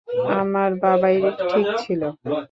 আমার বাবাই ঠিক ছিল।